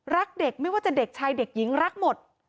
รักเด็กไม่ว่าจะเด็กชายเด็กหญิงรักหมด